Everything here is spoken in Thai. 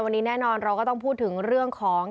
วันนี้แน่นอนเราก็ต้องพูดถึงเรื่องของ